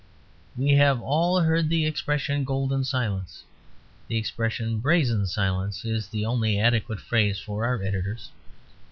We have all heard the expression "golden silence." The expression "brazen silence" is the only adequate phrase for our editors.